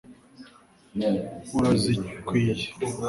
urazikwiye